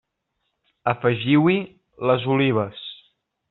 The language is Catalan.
Afegiu-hi les olives.